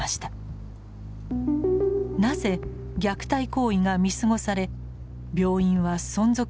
なぜ虐待行為が見過ごされ病院は存続し続けてきたのでしょうか。